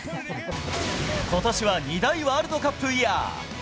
ことしは２大ワールドカップイヤー。